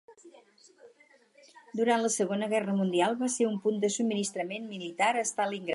Durant la segona guerra mundial va ser un punt de subministrament militar a Stalingrad.